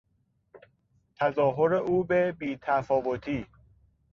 تظاهر او به بیتفاوتی